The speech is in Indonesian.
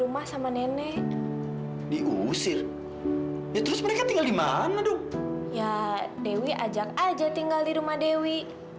rumah sama nenek diusir terus mereka tinggal dimana dong ya dewi ajak aja tinggal di rumah dewi